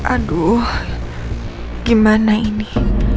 aduh gimana ini